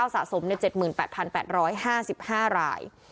สะสมใน๗๘๘๕๕ราย